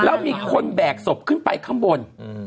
แล้วมีคนแบกศพขึ้นไปข้างบน